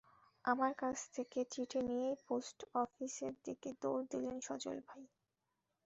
আমার কাছ থেকে চিঠি নিয়েই পোস্ট অফিসের দিকে দৌড় দিলেন সজল ভাই।